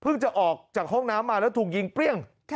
จะออกจากห้องน้ำมาแล้วถูกยิงเปรี้ยง